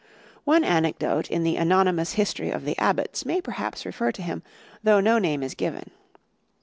One anecdote in the Anonymous History of the Abbots may perhaps refer to him, though no name is given.